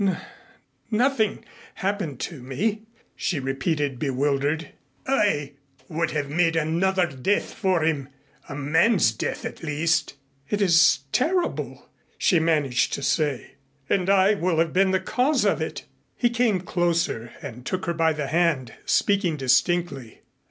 "N nothing happened to me," she repeated bewildered. "I would have made another death for him a man's death at least." "It is terrible," she managed to say, "and I will have been the cause of it." He came closer and took her by the hand, speaking distinctly.